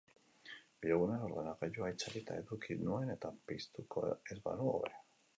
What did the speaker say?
Bi egunez ordenagailua itzalita eduki nuen, eta piztuko ez banu, hobe.